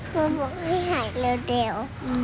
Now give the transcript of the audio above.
เขาบอกให้หายเร็ว